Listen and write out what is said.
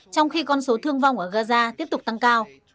trong khi con số thương vong ở gaza tiếp tục tăng cao